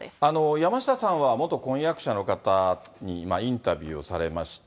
山下さんは元婚約者の方にインタビューをされました。